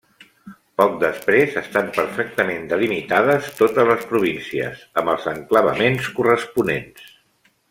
Poc després estan perfectament delimitades totes les províncies, amb els enclavaments corresponents.